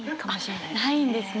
ないんですね。